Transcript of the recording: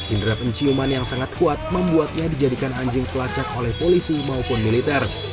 indera penciuman yang sangat kuat membuatnya dijadikan anjing pelacak oleh polisi maupun militer